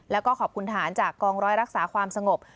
แล้วก็ขอบคุณฐานจากกองร้อยรักษาความสงบ